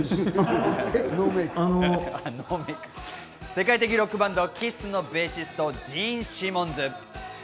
世界的ロックバンド・ＫＩＳＳのベーシスト、ジーン・シモンズ。